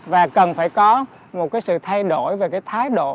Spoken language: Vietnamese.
và cần phải có một cái sự thay đổi về cái thái độ